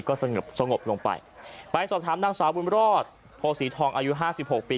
ก็สงบลงไปไปสอบถามนางสาวบุญรอดโพศีทองอายุ๕๖ปี